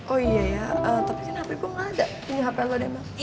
oh iya ya tapi sih hp gue gak ada di hp lo deh emang